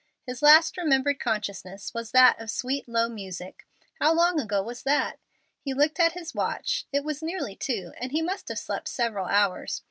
His last remembered consciousness was that of sweet, low music; and how long ago was that? He looked at his watch; it was nearly two, and he must have slept several hours.